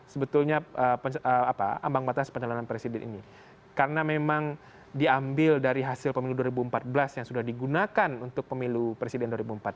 sebetulnya ambang batas pencalonan presiden ini karena memang diambil dari hasil pemilu dua ribu empat belas yang sudah digunakan untuk pemilu presiden dua ribu empat belas